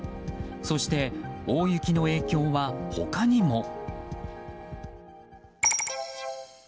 そして、大雪の影響は他にも。